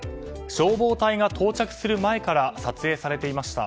消防隊が到着する前から撮影されていました。